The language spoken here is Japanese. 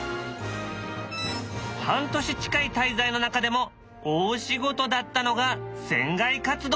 半年近い滞在の中でも大仕事だったのが船外活動。